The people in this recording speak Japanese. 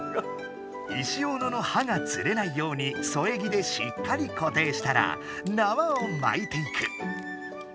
石オノの刃がずれないようにそえ木でしっかりこていしたらなわをまいていく。